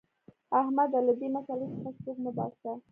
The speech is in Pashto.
احمده! له دې مسئلې څخه سوک مه باسه.